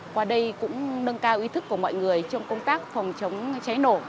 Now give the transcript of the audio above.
qua đây cũng nâng cao ý thức của mọi người trong công tác phòng chống cháy nổ